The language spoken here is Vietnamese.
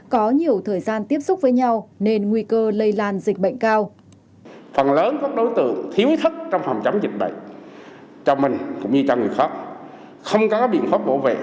có nhiều thời gian tiếp xúc với nhau nên nguy cơ lây lan dịch bệnh cao